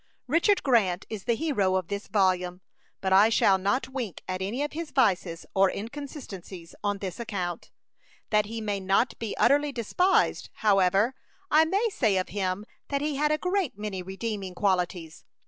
Richard Grant is the hero of this volume; but I shall not wink at any of his vices or inconsistencies on this account. That he may not be utterly despised, however, I may say of him that he had a great many redeeming qualities.